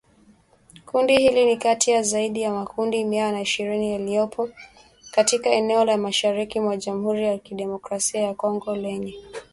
Kundi hili ni kati ya zaidi ya makundi mia na ishirini yaliyopo katika eneo la mashariki mwa Jamhuri ya Kidemokrasia ya Kongo lenye mzozo